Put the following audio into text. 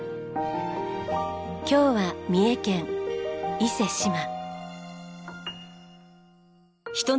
今日は三重県伊勢志摩。